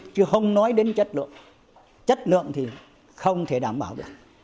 chứ không nói đến chất lượng chất lượng thì không thể đảm bảo được